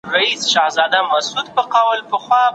د نجونو ښوونځی په کلي کې تفاهم پياوړی کوي.